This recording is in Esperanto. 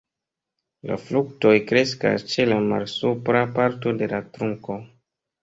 La fruktoj kreskas ĉe la malsupra parto de la trunko.